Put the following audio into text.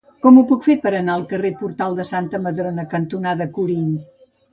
Com ho puc fer per anar al carrer Portal de Santa Madrona cantonada Corint?